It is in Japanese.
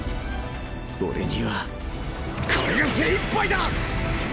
俺にはこれが精いっぱいだ。